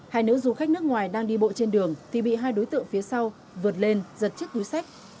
hai nữ du khách nước ngoài đang đi bộ trên đường thì bị hai đối tượng phía sau vượt lên giật chiếc túi sách